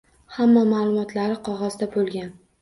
Hamma maʼlumotlari qogʻozda boʻlgan